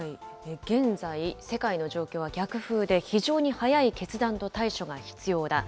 現在、世界の状況は逆風で、非常に早い決断と対処が必要だ。